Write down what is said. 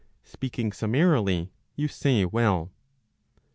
Speaking summarily, you say well.